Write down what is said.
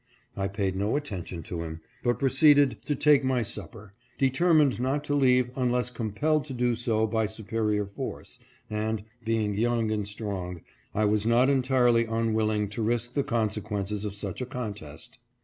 I paid no attention to him, but proceeded to take my supper, determined not to leave unless compelled to do so by superior force, and, being young and strong, I was not entirely unwilling to risk the consequences of such a contest.